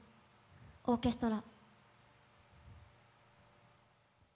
「オーケストラ」